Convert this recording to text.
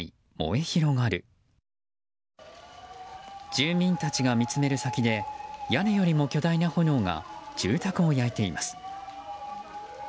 住民たちが見つめる先で屋根よりも巨大な炎が住宅を焼いています。